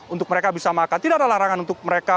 untuk mereka bisa makan tidak ada larangan untuk mereka